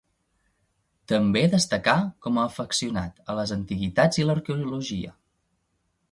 També destacà com afeccionat a les antiguitats i l'arqueologia.